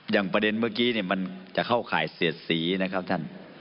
อย่างประเด็นเมื่อกี้มันจะเข้าข่ายเสียดสีนะครับท่าน